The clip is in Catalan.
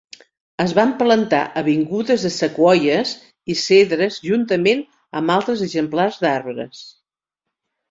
Es van plantar avingudes de sequoies i cedres juntament amb altres exemplars d'arbres.